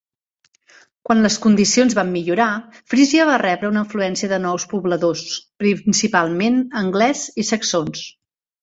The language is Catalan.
Quan les condicions van millorar, Frisia va rebre una afluència de nous pobladors, principalment angles i saxons.